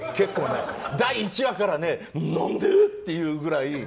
第１話から何で？っていうくらい。